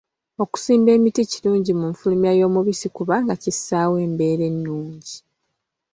Okusimba emiti kirungi mu nfulumya y'omubisi kubanga kissaawo embeera ennungi.